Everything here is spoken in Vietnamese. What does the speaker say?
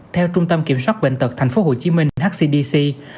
theo trung tâm kiểm soát bệnh tật tp hcm hcdc